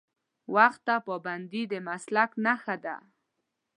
وخت ته پابندي د مسلک نښه ده.